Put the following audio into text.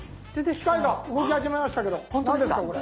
機械が動き始めましたけど何ですかこれ？